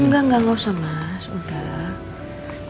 enggak enggak usah mas udah